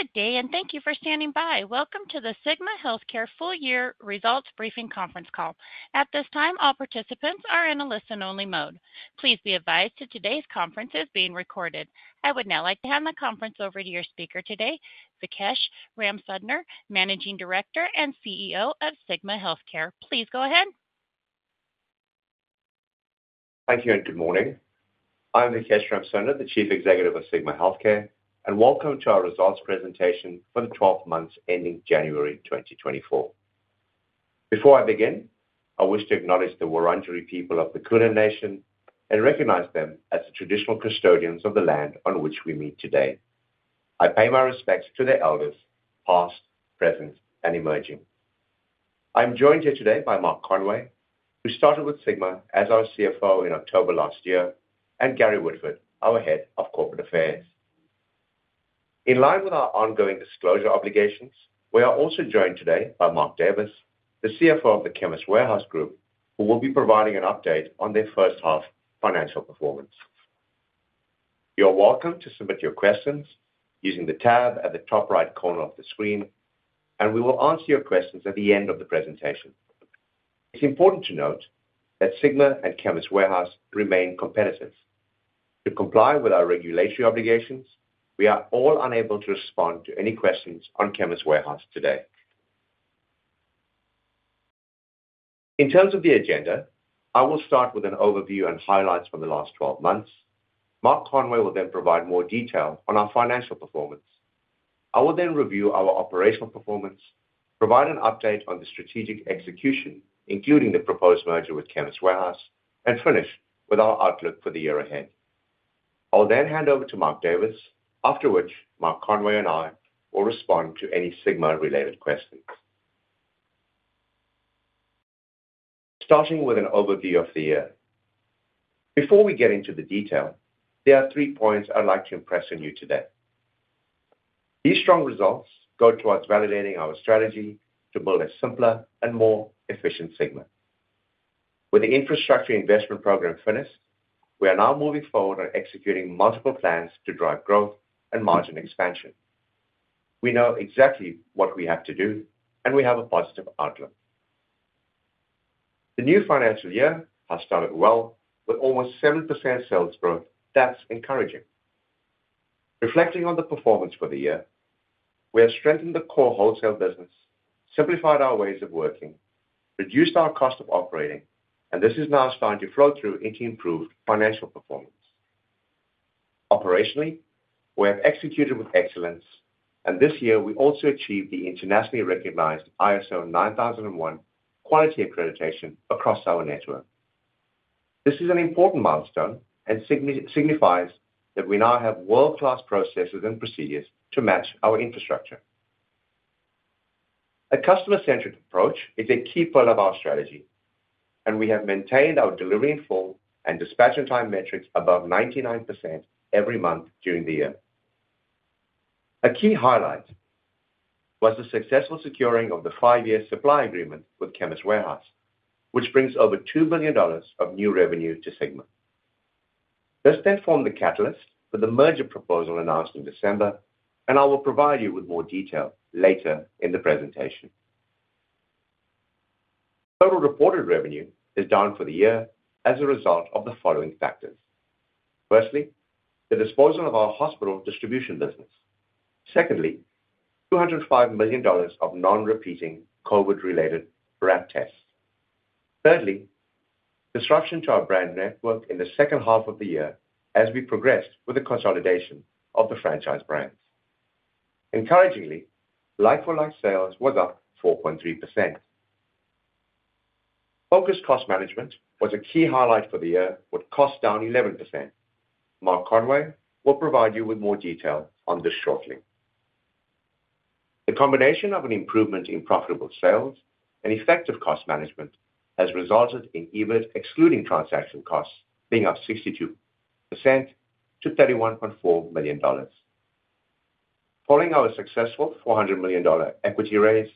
Good day, and thank you for standing by. Welcome to the Sigma Healthcare full-year results briefing conference call. At this time, all participants are in a listen-only mode. Please be advised that today's conference is being recorded. I would now like to hand the conference over to your speaker today, Vikesh Ramsunder, Managing Director and CEO of Sigma Healthcare. Please go ahead. Thank you, and good morning. I'm Vikesh Ramsunder, the Chief Executive of Sigma Healthcare, and welcome to our results presentation for the 12 months ending January 2024. Before I begin, I wish to acknowledge the Wurundjeri people of the Kulin Nation and recognize them as the traditional custodians of the land on which we meet today. I pay my respects to their elders, past, present, and emerging. I'm joined here today by Mark Conway, who started with Sigma as our CFO in October last year, and Gary Woodford, our Head of Corporate Affairs. In line with our ongoing disclosure obligations, we are also joined today by Mark Davis, the CFO of the Chemist Warehouse Group, who will be providing an update on their first-half financial performance. You're welcome to submit your questions using the tab at the top right corner of the screen, and we will answer your questions at the end of the presentation. It's important to note that Sigma and Chemist Warehouse remain competitive. To comply with our regulatory obligations, we are all unable to respond to any questions on Chemist Warehouse today. In terms of the agenda, I will start with an overview and highlights from the last 12 months. Mark Conway will then provide more detail on our financial performance. I will then review our operational performance, provide an update on the strategic execution, including the proposed merger with Chemist Warehouse, and finish with our outlook for the year ahead. I'll then hand over to Mark Davis, after which Mark Conway and I will respond to any Sigma-related questions. Starting with an overview of the year. Before we get into the detail, there are three points I'd like to impress on you today. These strong results go towards validating our strategy to build a simpler and more efficient Sigma. With the infrastructure investment program finished, we are now moving forward on executing multiple plans to drive growth and margin expansion. We know exactly what we have to do, and we have a positive outlook. The new financial year has started well with almost 7% sales growth. That's encouraging. Reflecting on the performance for the year, we have strengthened the core wholesale business, simplified our ways of working, reduced our cost of operating, and this is now starting to flow through into improved financial performance. Operationally, we have executed with excellence, and this year we also achieved the internationally recognized ISO 9001 quality accreditation across our network. This is an important milestone and signifies that we now have world-class processes and procedures to match our infrastructure. A customer-centric approach is a key pillar of our strategy, and we have maintained our delivery in full and dispatch-in-time metrics above 99% every month during the year. A key highlight was the successful securing of the five-year supply agreement with Chemist Warehouse, which brings over 2 billion dollars of new revenue to Sigma. This then formed the catalyst for the merger proposal announced in December, and I will provide you with more detail later in the presentation. Total reported revenue is down for the year as a result of the following factors. Firstly, the disposal of our hospital distribution business. Secondly, 205 million dollars of non-repeating COVID-related RAT tests. Thirdly, disruption to our brand network in the second half of the year as we progressed with the consolidation of the franchise brands. Encouragingly, like-for-like sales was up 4.3%. Focused cost management was a key highlight for the year, with costs down 11%. Mark Conway will provide you with more detail on this shortly. The combination of an improvement in profitable sales and effective cost management has resulted in EBIT excluding transaction costs being up 62% to 31.4 million dollars. Following our successful 400 million dollar equity raise,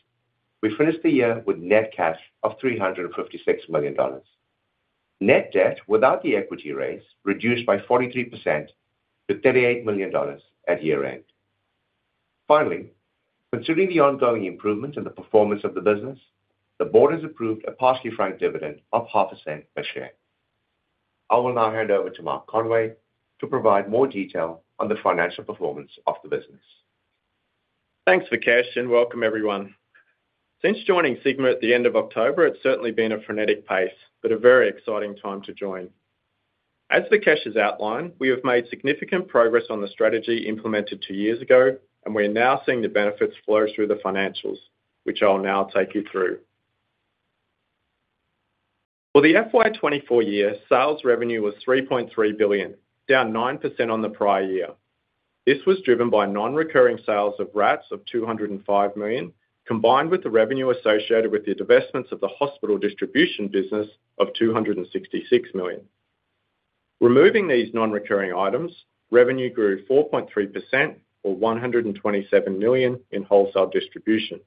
we finished the year with net cash of 356 million dollars. Net debt without the equity raise reduced by 43% to 38 million dollars at year-end. Finally, considering the ongoing improvement in the performance of the business, the board has approved a partially frank dividend of 0.5% per share. I will now hand over to Mark Conway to provide more detail on the financial performance of the business. Thanks, Vikesh, and welcome, everyone. Since joining Sigma at the end of October, it's certainly been a frenetic pace, but a very exciting time to join. As Vikesh has outlined, we have made significant progress on the strategy implemented two years ago, and we're now seeing the benefits flow through the financials, which I'll now take you through. For the FY 2024 year, sales revenue was 3.3 billion, down 9% on the prior year. This was driven by non-recurring sales of RATs of 205 million, combined with the revenue associated with the investments of the hospital distribution business of 266 million. Removing these non-recurring items, revenue grew 4.3%, or 127 million, in wholesale distribution.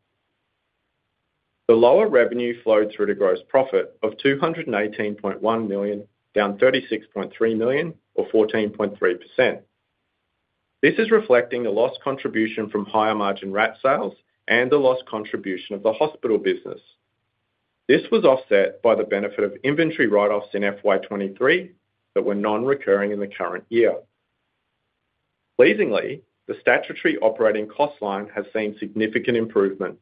The lower revenue flowed through to gross profit of 218.1 million, down 36.3 million, or 14.3%. This is reflecting the loss contribution from higher margin RAT sales and the loss contribution of the hospital business. This was offset by the benefit of inventory write-offs in FY 2023 that were non-recurring in the current year. Pleasingly, the statutory operating cost line has seen significant improvement,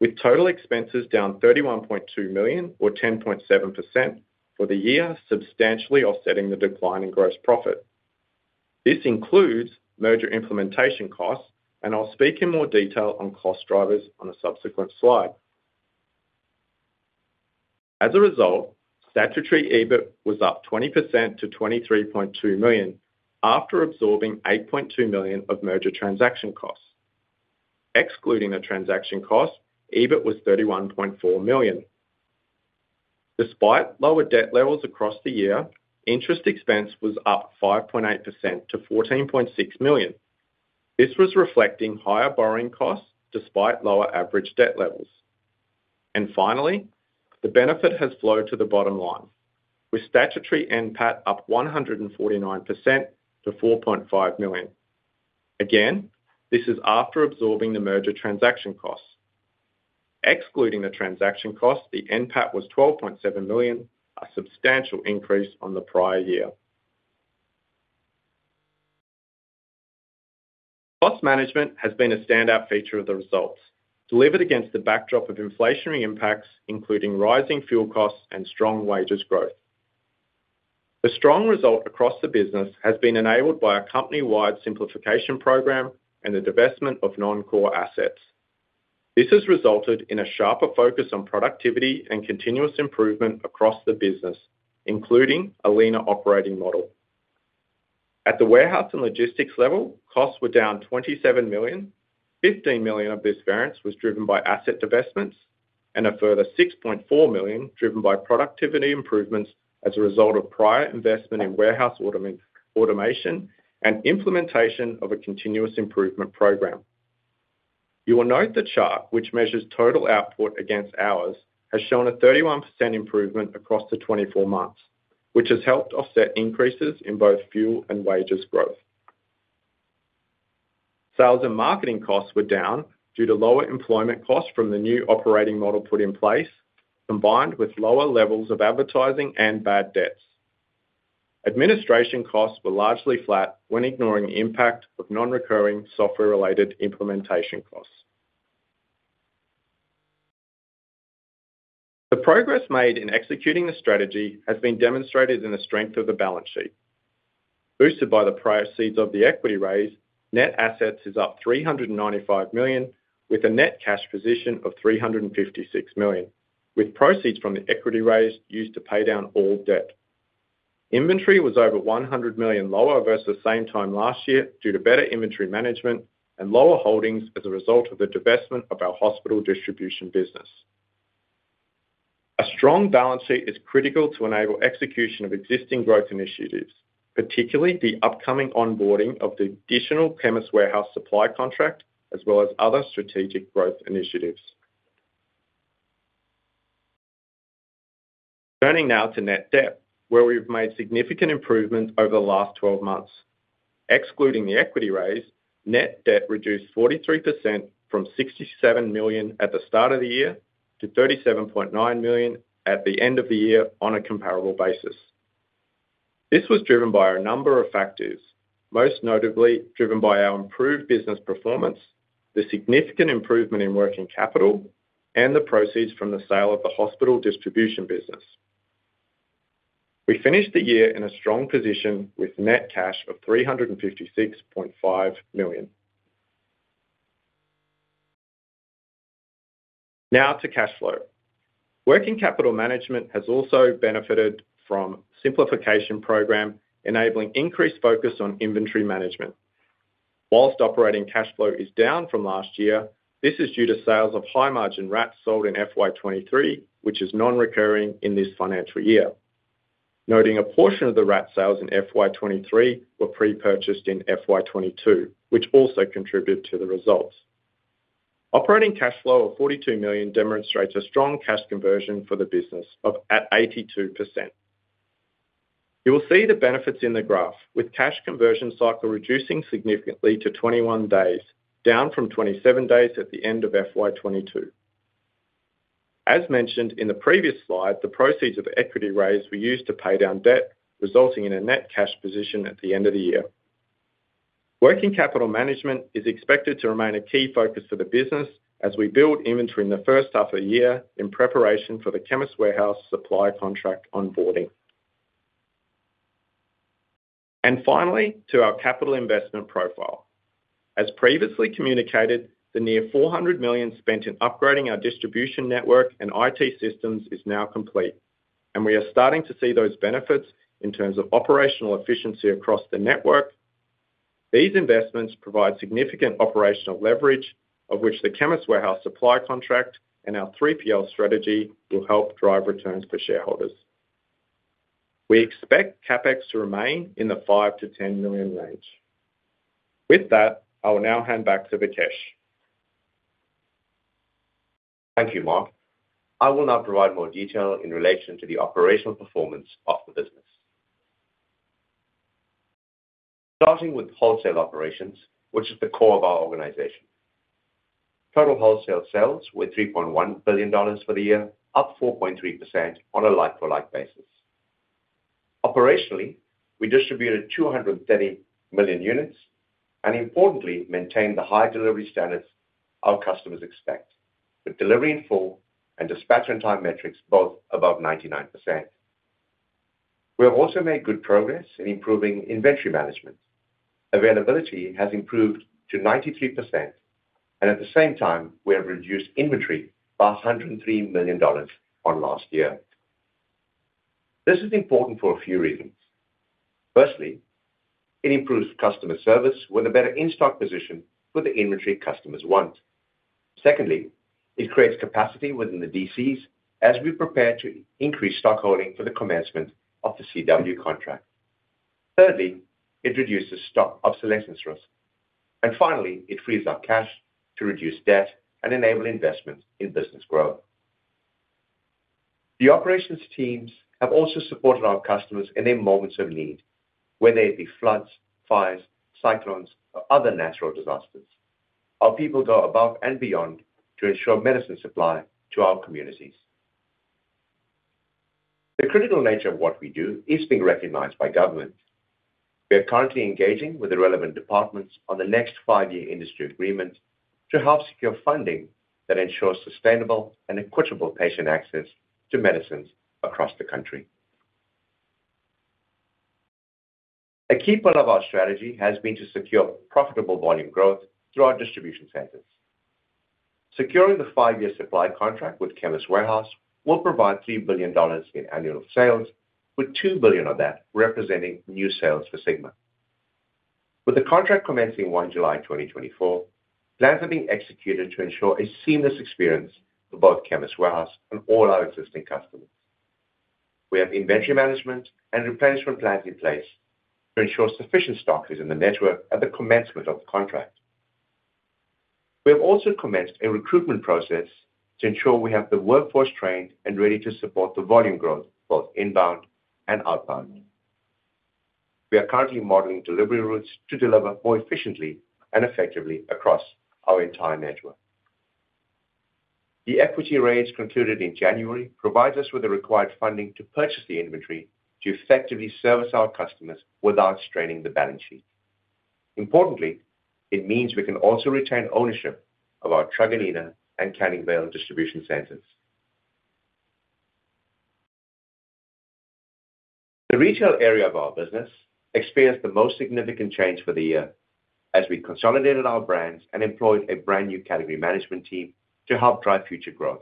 with total expenses down 31.2 million, or 10.7%, for the year, substantially offsetting the decline in gross profit. This includes merger implementation costs, and I'll speak in more detail on cost drivers on a subsequent slide. As a result, statutory EBIT was up 20%-AUD 23.2 million after absorbing 8.2 million of merger transaction costs. Excluding the transaction costs, EBIT was 31.4 million. Despite lower debt levels across the year, interest expense was up 5.8%-AUD 14.6 million. This was reflecting higher borrowing costs despite lower average debt levels. Finally, the benefit has flowed to the bottom line, with statutory NPAT up 149% to 4.5 million. Again, this is after absorbing the merger transaction costs. Excluding the transaction costs, the NPAT was 12.7 million, a substantial increase on the prior year. Cost management has been a standout feature of the results, delivered against the backdrop of inflationary impacts, including rising fuel costs and strong wages growth. A strong result across the business has been enabled by a company-wide simplification program and the divestment of non-core assets. This has resulted in a sharper focus on productivity and continuous improvement across the business, including a leaner operating model. At the warehouse and logistics level, costs were down 27 million. 15 million of this variance was driven by asset divestments, and a further 6.4 million driven by productivity improvements as a result of prior investment in warehouse automation and implementation of a continuous improvement program. You will note the chart, which measures total output against hours, has shown a 31% improvement across the 24 months, which has helped offset increases in both fuel and wages growth. Sales and marketing costs were down due to lower employment costs from the new operating model put in place, combined with lower levels of advertising and bad debts. Administration costs were largely flat when ignoring the impact of non-recurring software-related implementation costs. The progress made in executing the strategy has been demonstrated in the strength of the balance sheet. Boosted by the proceeds of the equity raise, net assets is up 395 million, with a net cash position of 356 million, with proceeds from the equity raise used to pay down all debt. Inventory was over 100 million lower versus the same time last year due to better inventory management and lower holdings as a result of the divestment of our hospital distribution business. A strong balance sheet is critical to enable execution of existing growth initiatives, particularly the upcoming onboarding of the additional Chemist Warehouse supply contract as well as other strategic growth initiatives. Turning now to net debt, where we've made significant improvements over the last 12 months. Excluding the equity raise, net debt reduced 43% from 67 million at the start of the year to 37.9 million at the end of the year on a comparable basis. This was driven by a number of factors, most notably driven by our improved business performance, the significant improvement in working capital, and the proceeds from the sale of the hospital distribution business. We finished the year in a strong position with net cash of 356.5 million. Now to cash flow. Working capital management has also benefited from a simplification program enabling increased focus on inventory management. While operating cash flow is down from last year, this is due to sales of high-margin RATs sold in FY 2023, which is non-recurring in this financial year. Noting a portion of the RAT sales in FY 2023 were pre-purchased in FY 2022, which also contributed to the results. Operating cash flow of 42 million demonstrates a strong cash conversion for the business of 82%. You will see the benefits in the graph, with cash conversion cycle reducing significantly to 21 days, down from 27 days at the end of FY 2022. As mentioned in the previous slide, the proceeds of the equity raise were used to pay down debt, resulting in a net cash position at the end of the year. Working capital management is expected to remain a key focus for the business as we build inventory in the first half of the year in preparation for the Chemist Warehouse supply contract onboarding. And finally, to our capital investment profile. As previously communicated, the nearly 400 million spent in upgrading our distribution network and IT systems is now complete, and we are starting to see those benefits in terms of operational efficiency across the network. These investments provide significant operational leverage, of which the Chemist Warehouse supply contract and our 3PL strategy will help drive returns for shareholders. We expect CAPEX to remain in the 5 million-10 million range. With that, I will now hand back to Vikesh. Thank you, Mark. I will now provide more detail in relation to the operational performance of the business. Starting with wholesale operations, which is the core of our organization. Total wholesale sales were 3.1 billion dollars for the year, up 4.3% on a like-for-like basis. Operationally, we distributed 230 million units and, importantly, maintained the high delivery standards our customers expect, with delivery in full and dispatch-in-time metrics both above 99%. We have also made good progress in improving inventory management. Availability has improved to 93%, and at the same time, we have reduced inventory by 103 million dollars on last year. This is important for a few reasons. Firstly, it improves customer service with a better in-stock position for the inventory customers want. Secondly, it creates capacity within the DCs as we prepare to increase stockholding for the commencement of the CW contract. Thirdly, it reduces stock obsolescence risk. Finally, it frees up cash to reduce debt and enable investment in business growth. The operations teams have also supported our customers in their moments of need, whether it be floods, fires, cyclones, or other natural disasters. Our people go above and beyond to ensure medicine supply to our communities. The critical nature of what we do is being recognized by government. We are currently engaging with the relevant departments on the next five-year industry agreement to help secure funding that ensures sustainable and equitable patient access to medicines across the country. A key part of our strategy has been to secure profitable volume growth through our distribution centers. Securing the five-year supply contract with Chemist Warehouse will provide 3 billion dollars in annual sales, with 2 billion of that representing new sales for Sigma. With the contract commencing July 1, 2024, plans are being executed to ensure a seamless experience for both Chemist Warehouse and all our existing customers. We have inventory management and replenishment plans in place to ensure sufficient stock is in the network at the commencement of the contract. We have also commenced a recruitment process to ensure we have the workforce trained and ready to support the volume growth, both inbound and outbound. We are currently modelling delivery routes to deliver more efficiently and effectively across our entire network. The equity raise concluded in January provides us with the required funding to purchase the inventory to effectively service our customers without straining the balance sheet. Importantly, it means we can also retain ownership of our Truganina and Canning Vale distribution centres. The retail area of our business experienced the most significant change for the year as we consolidated our brands and employed a brand new category management team to help drive future growth.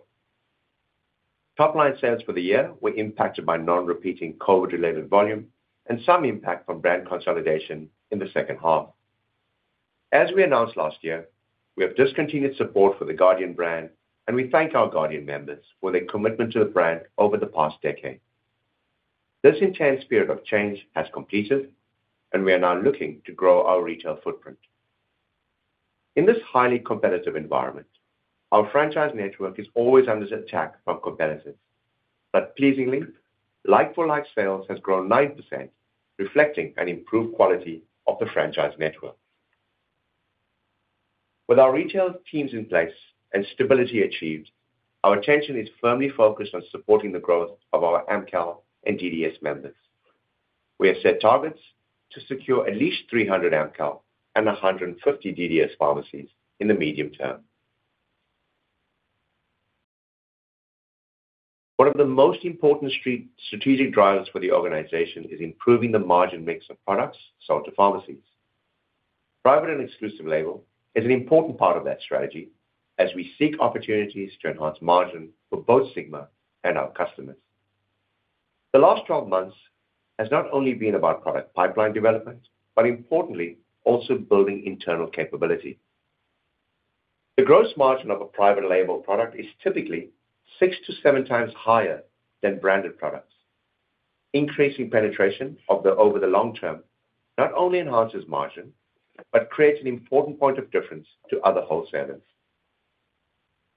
Top-line sales for the year were impacted by non-repeating COVID-related volume and some impact from brand consolidation in the second half. As we announced last year, we have discontinued support for the Guardian brand, and we thank our Guardian members for their commitment to the brand over the past decade. This intense period of change has completed, and we are now looking to grow our retail footprint. In this highly competitive environment, our franchise network is always under attack from competitors. But pleasingly, like-for-like sales has grown 9%, reflecting an improved quality of the franchise network. With our retail teams in place and stability achieved, our attention is firmly focused on supporting the growth of our Amcal and DDS members. We have set targets to secure at least 300 Amcal and 150 DDS pharmacies in the medium term. One of the most important strategic drivers for the organization is improving the margin mix of products sold to pharmacies. Private and exclusive label is an important part of that strategy as we seek opportunities to enhance margin for both Sigma and our customers. The last 12 months have not only been about product pipeline development but, importantly, also building internal capability. The gross margin of a private label product is typically 6x-7x higher than branded products. Increasing penetration over the long term not only enhances margin but creates an important point of difference to other wholesalers.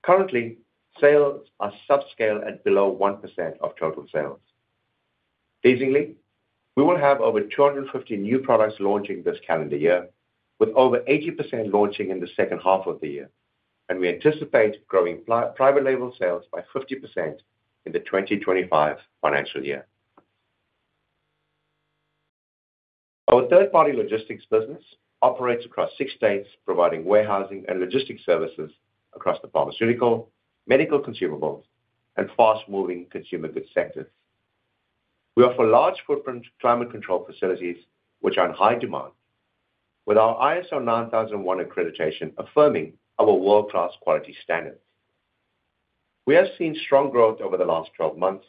Currently, sales are subscale at below 1% of total sales. Pleasingly, we will have over 250 new products launching this calendar year, with over 80% launching in the second half of the year. We anticipate growing private label sales by 50% in the 2025 financial year. Our third-party logistics business operates across six states, providing warehousing and logistics services across the pharmaceutical, medical consumables, and fast-moving consumer goods sectors. We offer large-footprint climate control facilities, which are in high demand, with our ISO 9001 accreditation affirming our world-class quality standards. We have seen strong growth over the last 12 months,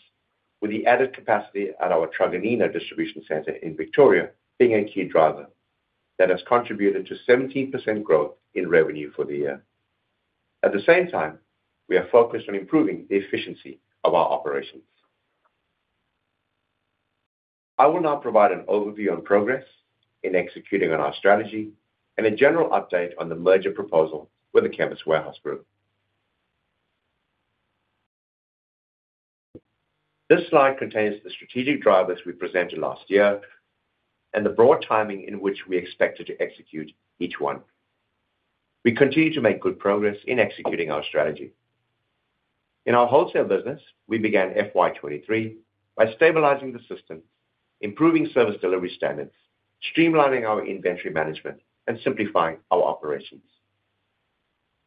with the added capacity at our Truganina distribution center in Victoria being a key driver that has contributed to 17% growth in revenue for the year. At the same time, we are focused on improving the efficiency of our operations. I will now provide an overview on progress in executing on our strategy and a general update on the merger proposal with the Chemist Warehouse Group. This slide contains the strategic drivers we presented last year and the broad timing in which we expected to execute each one. We continue to make good progress in executing our strategy. In our wholesale business, we began FY 2023 by stabilizing the system, improving service delivery standards, streamlining our inventory management, and simplifying our operations.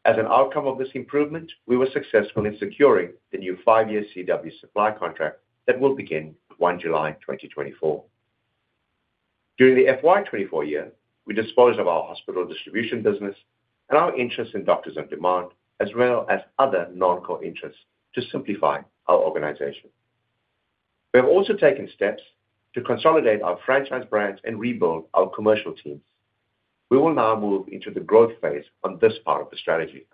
As an outcome of this improvement, we were successful in securing the new five-year CW supply contract that will begin July 1 2024. During the FY 2024 year, we disposed of our hospital distribution business and our interest in Doctors on Demand as well as other non-core interests to simplify our organization. We have also taken steps to consolidate our franchise brands and rebuild our commercial teams. We will now move into the growth phase on this part of the strategy.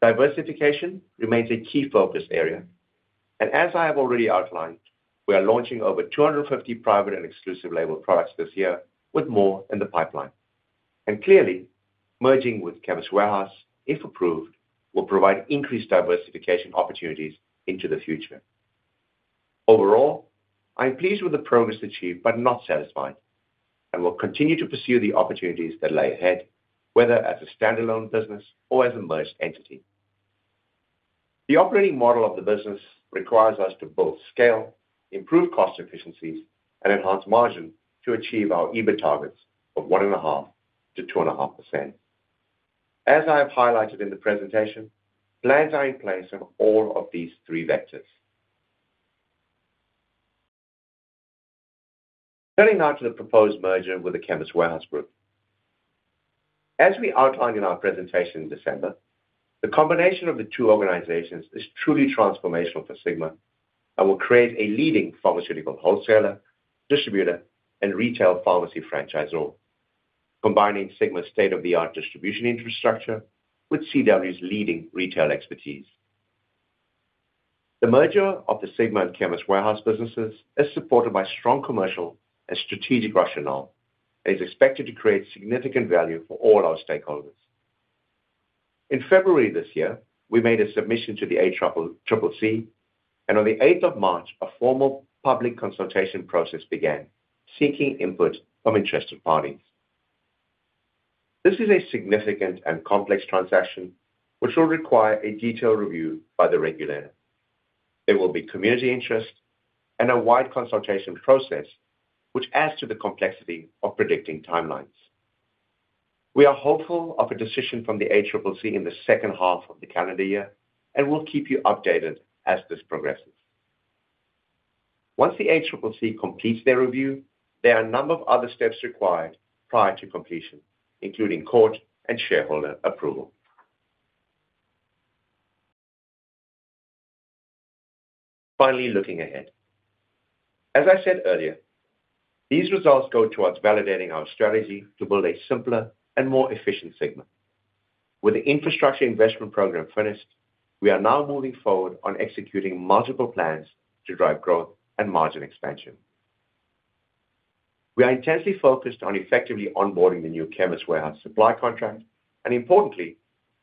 Diversification remains a key focus area. As I have already outlined, we are launching over 250 private and exclusive label products this year with more in the pipeline. Clearly, merging with Chemist Warehouse, if approved, will provide increased diversification opportunities into the future. Overall, I am pleased with the progress achieved but not satisfied and will continue to pursue the opportunities that lay ahead, whether as a standalone business or as a merged entity. The operating model of the business requires us to both scale, improve cost efficiencies, and enhance margin to achieve our EBIT targets of 1.5%-2.5%. As I have highlighted in the presentation, plans are in place on all of these three vectors. Turning now to the proposed merger with the Chemist Warehouse Group. As we outlined in our presentation in December, the combination of the two organizations is truly transformational for Sigma and will create a leading pharmaceutical wholesaler, distributor, and retail pharmacy franchisor, combining Sigma's state-of-the-art distribution infrastructure with CW's leading retail expertise. The merger of the Sigma and Chemist Warehouse businesses is supported by strong commercial and strategic rationale and is expected to create significant value for all our stakeholders. In February this year, we made a submission to the ACCC, and on the 8th of March, a formal public consultation process began seeking input from interested parties. This is a significant and complex transaction, which will require a detailed review by the regulator. There will be community interest and a wide consultation process, which adds to the complexity of predicting timelines. We are hopeful of a decision from the ACCC in the second half of the calendar year and will keep you updated as this progresses. Once the ACCC completes their review, there are a number of other steps required prior to completion, including court and shareholder approval. Finally, looking ahead. As I said earlier, these results go towards validating our strategy to build a simpler and more efficient Sigma. With the infrastructure investment program finished, we are now moving forward on executing multiple plans to drive growth and margin expansion. We are intensely focused on effectively onboarding the new Chemist Warehouse supply contract, and importantly,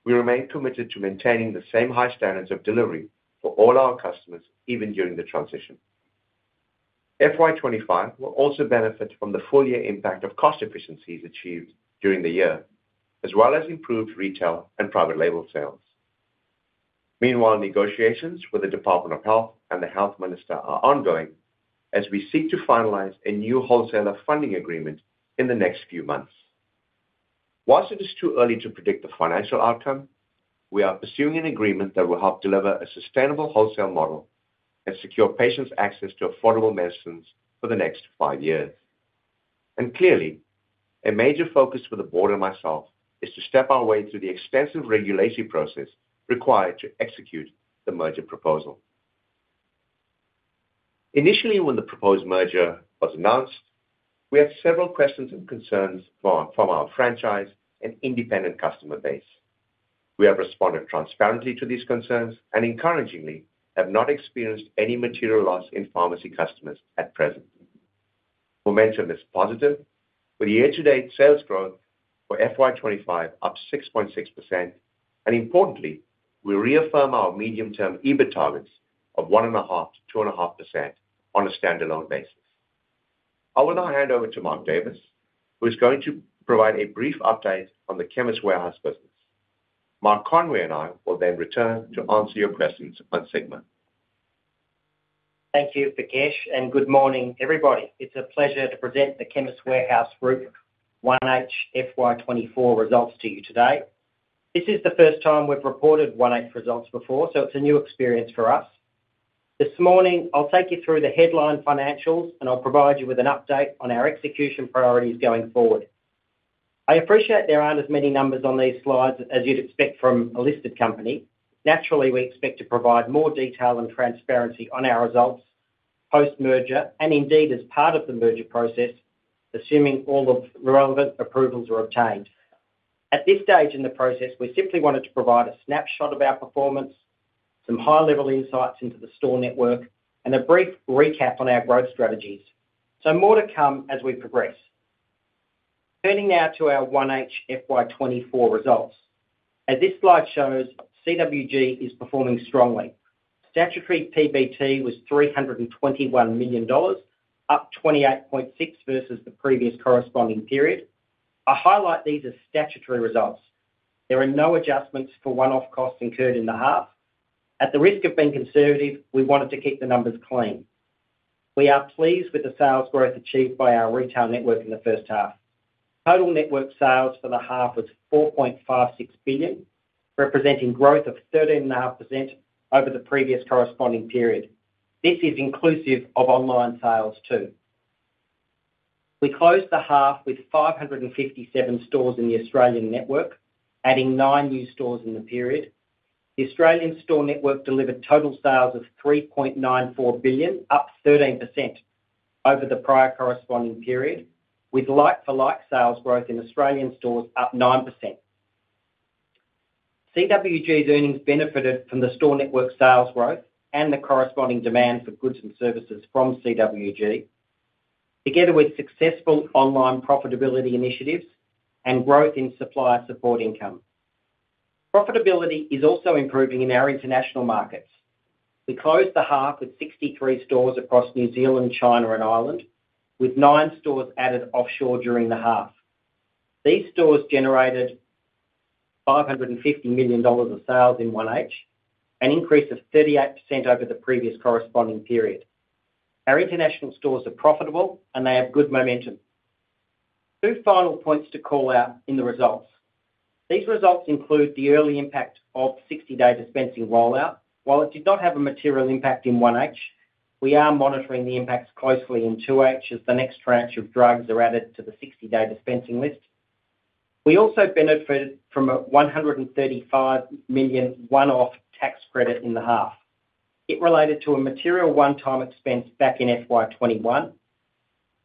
we remain committed to maintaining the same high standards of delivery for all our customers, even during the transition. FY 2025 will also benefit from the full-year impact of cost efficiencies achieved during the year, as well as improved retail and private label sales. Meanwhile, negotiations with the Department of Health and the Health Minister are ongoing as we seek to finalize a new wholesaler funding agreement in the next few months. While it is too early to predict the financial outcome, we are pursuing an agreement that will help deliver a sustainable wholesale model and secure patients access to affordable medicines for the next five years. Clearly, a major focus for the board and myself is to step our way through the extensive regulatory process required to execute the merger proposal. Initially, when the proposed merger was announced, we had several questions and concerns from our franchise and independent customer base. We have responded transparently to these concerns and, encouragingly, have not experienced any material loss in pharmacy customers at present. Momentum is positive, with year-to-date sales growth for FY 2025 up 6.6%. Importantly, we reaffirm our medium-term EBIT targets of 1.5%-2.5% on a standalone basis. I will now hand over to Mark Davis, who is going to provide a brief update on the Chemist Warehouse business. Mark Conway and I will then return to answer your questions on Sigma. Thank you, Vikesh, and good morning, everybody. It's a pleasure to present the Chemist Warehouse Group 1H FY 2024 results to you today. This is the first time we've reported 1H results before, so it's a new experience for us. This morning, I'll take you through the headline financials, and I'll provide you with an update on our execution priorities going forward. I appreciate there aren't as many numbers on these slides as you'd expect from a listed company. Naturally, we expect to provide more detail and transparency on our results post-merger and, indeed, as part of the merger process, assuming all of relevant approvals are obtained. At this stage in the process, we simply wanted to provide a snapshot of our performance, some high-level insights into the store network, and a brief recap on our growth strategies. So more to come as we progress. Turning now to our 1H FY 2024 results. As this slide shows, CWG is performing strongly. Statutory PBT was 321 million dollars, up 28.6% versus the previous corresponding period. I highlight these as statutory results. There are no adjustments for one-off costs incurred in the half. At the risk of being conservative, we wanted to keep the numbers clean. We are pleased with the sales growth achieved by our retail network in the first half. Total network sales for the half was 4.56 billion, representing growth of 13.5% over the previous corresponding period. This is inclusive of online sales, too. We closed the half with 557 stores in the Australian network, adding nine new stores in the period. The Australian store network delivered total sales of 3.94 billion, up 13% over the prior corresponding period, with like-for-like sales growth in Australian stores up 9%. CWG's earnings benefited from the store network sales growth and the corresponding demand for goods and services from CWG, together with successful online profitability initiatives and growth in supplier support income. Profitability is also improving in our international markets. We closed the half with 63 stores across New Zealand, China, and Ireland, with nine stores added offshore during the half. These stores generated 550 million dollars of sales in 1H, an increase of 38% over the previous corresponding period. Our international stores are profitable, and they have good momentum. Two final points to call out in the results. These results include the early impact of 60-day dispensing rollout. While it did not have a material impact in 1H, we are monitoring the impacts closely in 2H as the next tranche of drugs are added to the 60-day dispensing list. We also benefited from a 135 million one-off tax credit in the half. It related to a material one-time expense back in FY 2021.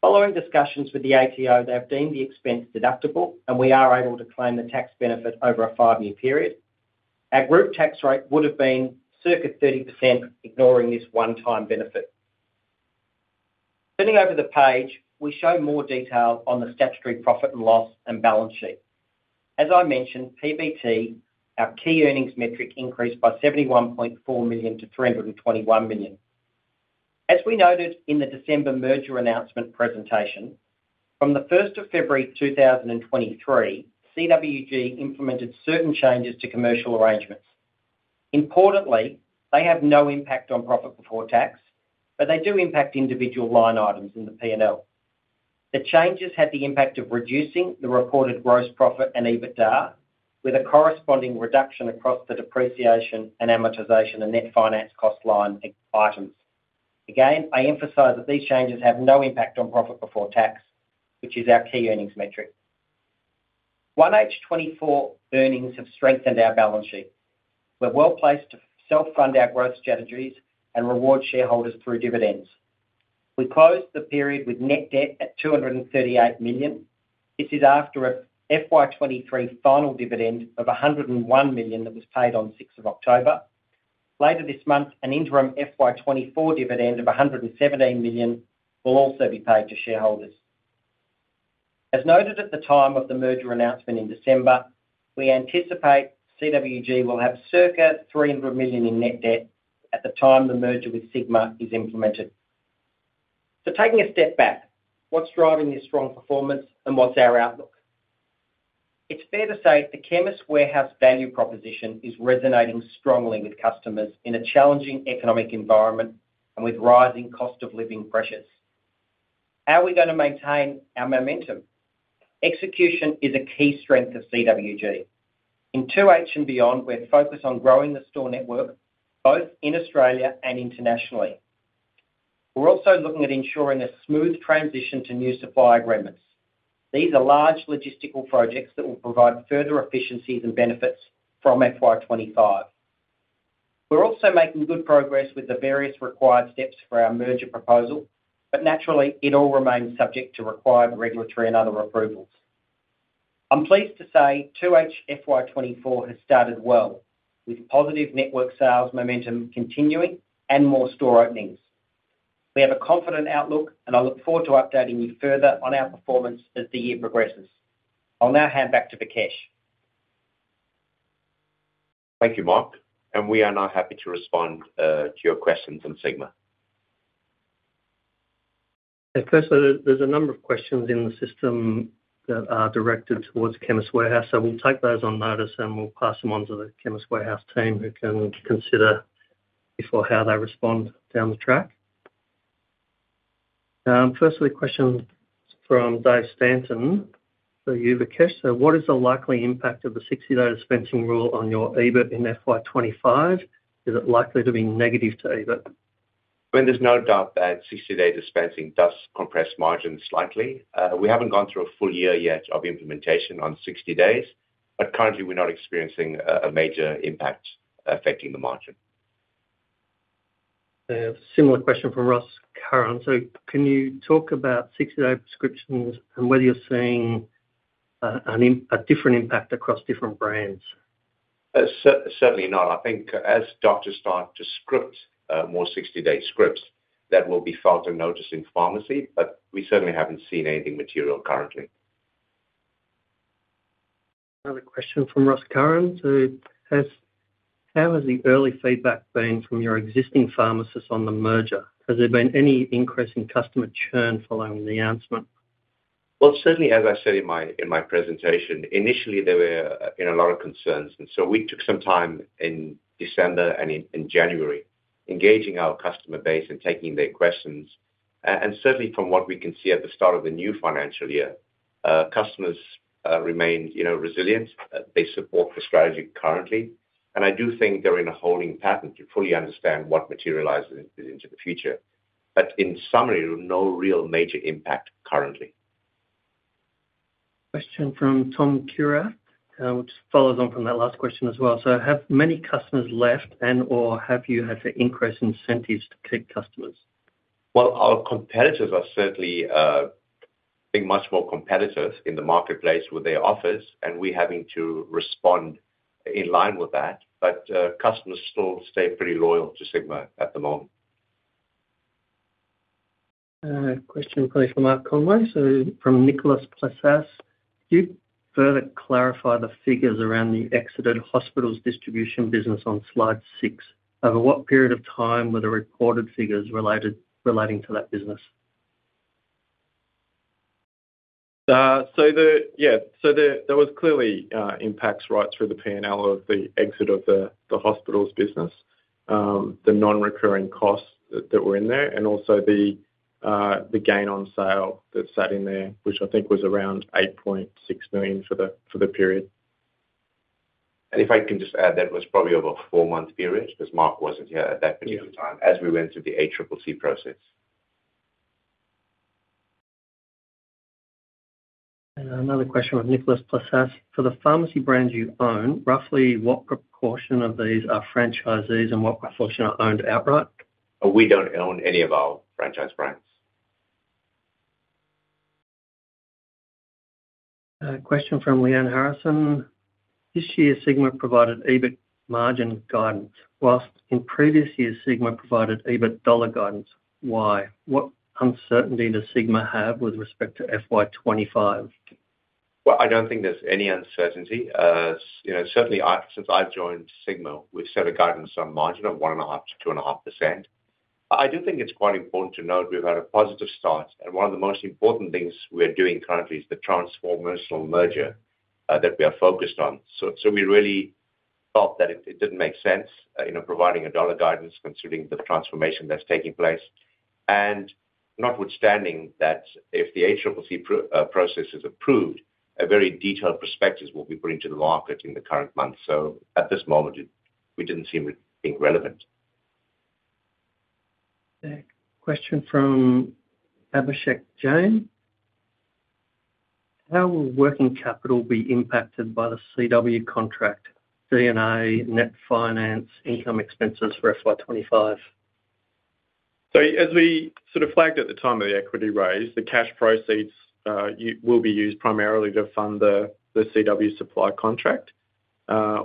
Following discussions with the ATO, they've deemed the expense deductible, and we are able to claim the tax benefit over a five-year period. Our group tax rate would have been circa 30%, ignoring this one-time benefit. Turning over the page, we show more detail on the statutory profit and loss and balance sheet. As I mentioned, PBT, our key earnings metric, increased by 71.4 million to 321 million. As we noted in the December merger announcement presentation, from the 1st of February, 2023, CWG implemented certain changes to commercial arrangements. Importantly, they have no impact on profit before tax, but they do impact individual line items in the P&L. The changes had the impact of reducing the reported gross profit and EBITDA, with a corresponding reduction across the depreciation and amortization and net finance cost line items. Again, I emphasize that these changes have no impact on profit before tax, which is our key earnings metric. 1H 2024 earnings have strengthened our balance sheet. We're well placed to self-fund our growth strategies and reward shareholders through dividends. We closed the period with net debt at 238 million. This is after a FY 2023 final dividend of 101 million that was paid on 6th of October. Later this month, an interim FY 2024 dividend of 117 million will also be paid to shareholders. As noted at the time of the merger announcement in December, we anticipate CWG will have circa 300 million in net debt at the time the merger with Sigma is implemented. So taking a step back, what's driving this strong performance, and what's our outlook? It's fair to say the Chemist Warehouse value proposition is resonating strongly with customers in a challenging economic environment and with rising cost of living pressures. How are we going to maintain our momentum? Execution is a key strength of CWG. In 2H and beyond, we're focused on growing the store network, both in Australia and internationally. We're also looking at ensuring a smooth transition to new supply agreements. These are large logistical projects that will provide further efficiencies and benefits from FY 2025. We're also making good progress with the various required steps for our merger proposal, but naturally, it all remains subject to required regulatory and other approvals. I'm pleased to say 2H FY 2024 has started well, with positive network sales momentum continuing and more store openings. We have a confident outlook, and I look forward to updating you further on our performance as the year progresses. I'll now hand back to Vikesh. Thank you, Mark. And we are now happy to respond to your questions on Sigma. Firstly, there's a number of questions in the system that are directed towards Chemist Warehouse, so we'll take those on notice, and we'll pass them on to the Chemist Warehouse team who can consider before how they respond down the track. Firstly, question from David Stanton for you, Vikesh. So what is the likely impact of the 60-day dispensing rule on your EBIT in FY 2025? Is it likely to be negative to EBIT? I mean, there's no doubt that 60-day dispensing does compress margins slightly. We haven't gone through a full year yet of implementation on 60 days, but currently, we're not experiencing a major impact affecting the margin. Similar question from Ross Curran. So can you talk about 60-day prescriptions and whether you're seeing a different impact across different brands? Certainly not. I think as doctors start to script more 60-day scripts, that will be felt and noticed in pharmacy, but we certainly haven't seen anything material currently. Another question from Ross Curran. So how has the early feedback been from your existing pharmacists on the merger? Has there been any increase in customer churn following the announcement? Well, certainly, as I said in my presentation, initially, there were a lot of concerns. So we took some time in December and in January engaging our customer base and taking their questions. Certainly, from what we can see at the start of the new financial year, customers remain resilient. They support the strategy currently. I do think they're in a holding pattern to fully understand what materializes into the future. In summary, no real major impact currently. Question from Tom Kierath, which follows on from that last question as well. So have many customers left, and/or have you had to increase incentives to keep customers? Well, our competitors are certainly being much more competitive in the marketplace with their offers, and we're having to respond in line with that. But customers still stay pretty loyal to Sigma at the moment. Question probably from Mark Conway. So from Nicholas Plessas, could you further clarify the figures around the exited hospitals distribution business on slide six? Over what period of time were the reported figures relating to that business? Yeah. So there was clearly impacts right through the P&L of the exit of the hospitals business, the non-recurring costs that were in there, and also the gain on sale that sat in there, which I think was around 8.6 million for the period. And if I can just add, that was probably over a four-month period because Mark wasn't here at that particular time as we went through the ACCC process. Another question from Nicholas Plessas. For the pharmacy brands you own, roughly what proportion of these are franchisees, and what proportion are owned outright? We don't own any of our franchise brands. Question from Leanne Harrison. This year, Sigma provided EBIT margin guidance, while in previous years, Sigma provided EBIT dollar guidance. Why? What uncertainty does Sigma have with respect to FY 2025? Well, I don't think there's any uncertainty. Certainly, since I've joined Sigma, we've set a guidance on margin of 1.5%-2.5%. I do think it's quite important to note we've had a positive start. And one of the most important things we're doing currently is the transformational merger that we are focused on. So we really thought that it didn't make sense providing a dollar guidance considering the transformation that's taking place. And notwithstanding that, if the ACCC process is approved, a very detailed prospectus will be put into the market in the current month. So at this moment, we didn't seem it being relevant. Question from Abhishek Jain. How will working capital be impacted by the CW contract, D&A, net finance, income expenses for FY 2025? So as we sort of flagged at the time of the equity raise, the cash proceeds will be used primarily to fund the CW supply contract.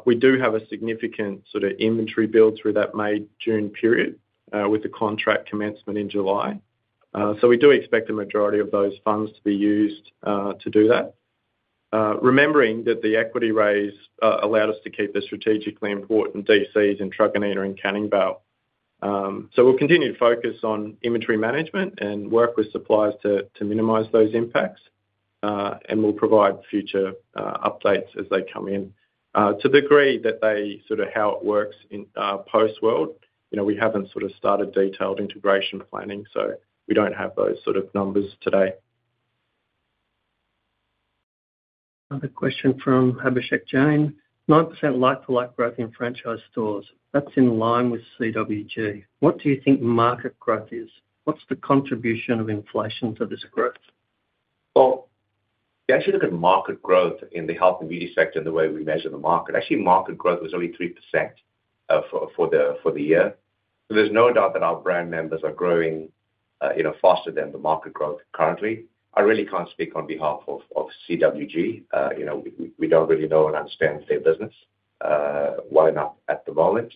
We do have a significant sort of inventory build through that May-June period with the contract commencement in July. So we do expect the majority of those funds to be used to do that, remembering that the equity raise allowed us to keep the strategically important DCs in Truganina and Canning Vale. So we'll continue to focus on inventory management and work with suppliers to minimize those impacts, and we'll provide future updates as they come in. To the degree that they sort of how it works post-world, we haven't sort of started detailed integration planning, so we don't have those sort of numbers today. Another question from Abhishek Jain. 9% like-for-like growth in franchise stores. That's in line with CWG. What do you think market growth is? What's the contribution of inflation to this growth? Well, if you actually look at market growth in the health and beauty sector and the way we measure the market, actually, market growth was only 3% for the year. So there's no doubt that our brand members are growing faster than the market growth currently. I really can't speak on behalf of CWG. We don't really know and understand their business well enough at the moment.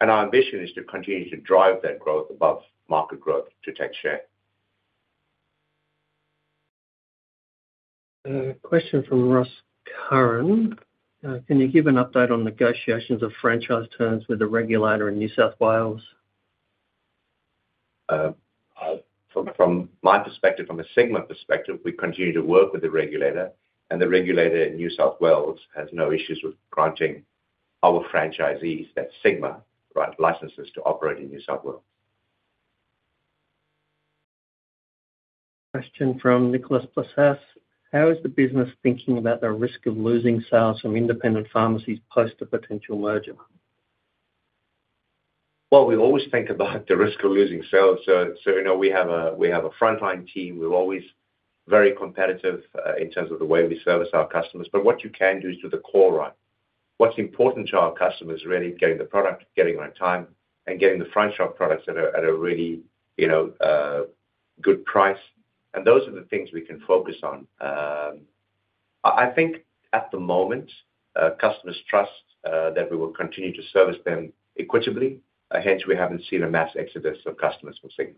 And our ambition is to continue to drive that growth above market growth to take share. Question from Ross Curran. Can you give an update on negotiations of franchise terms with the regulator in New South Wales? From my perspective, from a Sigma perspective, we continue to work with the regulator, and the regulator in New South Wales has no issues with granting our franchisees, that's Sigma, licenses to operate in New South Wales. Question from Nicholas Plessas. How is the business thinking about the risk of losing sales from independent pharmacies post a potential merger? Well, we always think about the risk of losing sales. So we have a frontline team. We're always very competitive in terms of the way we service our customers. But what you can do is do the call right. What's important to our customers is really getting the product, getting it on time, and getting the front-shop products at a really good price. And those are the things we can focus on. I think at the moment, customers trust that we will continue to service them equitably. Hence, we haven't seen a mass exodus of customers from Sigma.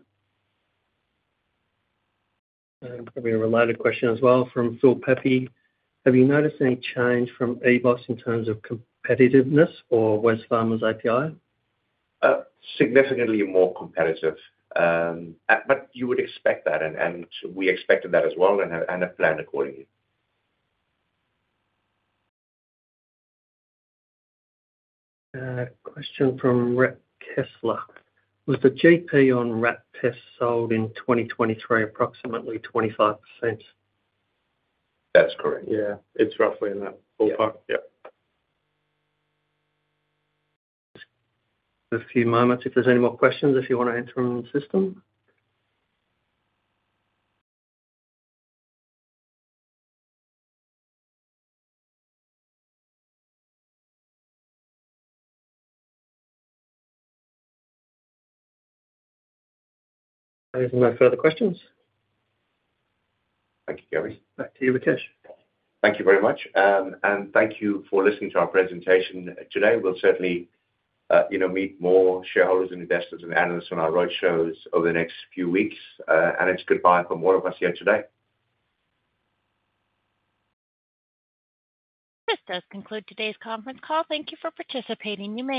Probably a related question as well from Philip Pepe. Have you noticed any change from EBOS in terms of competitiveness or Wesfarmers' API? Significantly more competitive. But you would expect that, and we expected that as well and have planned accordingly. Question from Rhett Kessler. Was the GP on RAT tests sold in 2023 approximately 25%? That's correct. Yeah. It's roughly in that ballpark. Yeah. Just a few moments if there's any more questions, if you want to answer them in the system. No further questions. Thank you, Gavin. Back to you Vikesh. Thank you very much. And thank you for listening to our presentation today. We'll certainly meet more shareholders and investors and analysts on our roadshows over the next few weeks. And it's goodbye from all of us here today. This does conclude today's conference call. Thank you for participating. You may.